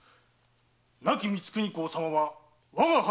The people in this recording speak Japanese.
亡き光圀公様は我が藩の誇り。